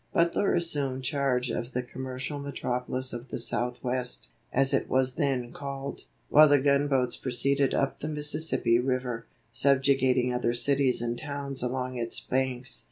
Butler assumed charge of the "commercial metropolis of the Southwest," as it was then called, while the gun boats proceeded up the Mississippi River, subjugating other cities and towns along its banks.